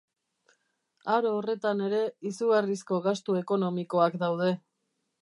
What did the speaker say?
Aro horretan ere, izugarrizko gastu ekonomikoak daude.